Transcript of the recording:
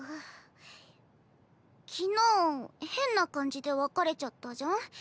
昨日変な感じで別れちゃったじゃん？